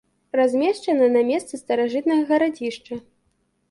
Размешчана на месцы старажытнага гарадзішча.